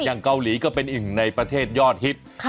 อย่างเกาหลีก็เป็นอีกหนึ่งในประเทศยอดฮิต